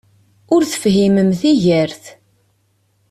Ur tefhimem tigert!